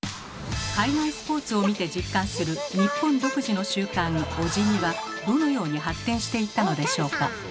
海外スポーツを見て実感する日本独自の習慣「おじぎ」はどのように発展していったのでしょうか？